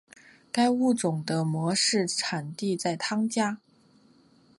该物种的模式产地在汤加。